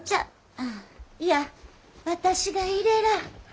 あいや私がいれらあ。